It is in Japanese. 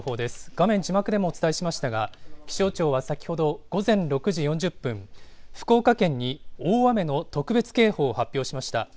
画面字幕でもお伝えしましたが、気象庁は先ほど、午前６時４０分、福岡県に大雨の特別警報を発表しました。